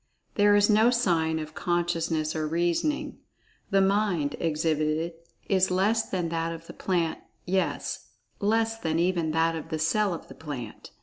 There is no sign of "consciousness" or "reasoning"—the Mind exhibited is less than that of the plant, yes, less than even that of the cell of the plant.